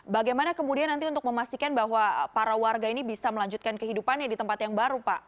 bagaimana kemudian nanti untuk memastikan bahwa para warga ini bisa melanjutkan kehidupannya di tempat yang baru pak